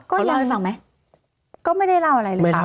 ก็ยังก็ไม่ได้เล่าอะไรเลยค่ะ